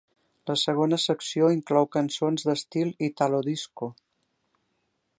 La segona secció inclou cançons d'estil Italo disco.